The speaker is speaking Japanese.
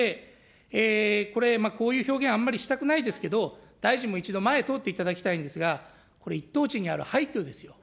これ、こういう表現はあまりしたくないですけど、大臣も一度、前通っていただきたいんですが、これ、一等地にある廃虚ですよ。